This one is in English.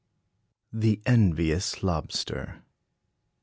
THE ENVIOUS LOBSTER.